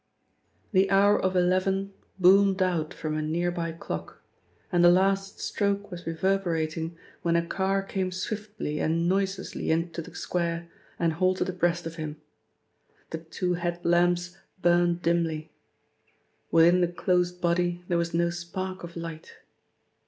The hour of eleven boomed out from a nearby clock, and the last stroke was reverberating when a car came swiftly and noiselessly into the square and halted abreast of him. The two head lamps burned dimly. Within the closed body there was no spark of light.